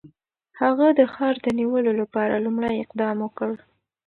هغه د ښار د نیولو لپاره لومړی اقدام وکړ.